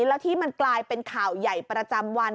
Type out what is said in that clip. แล้วที่มันกลายเป็นข่าวใหญ่ประจำวัน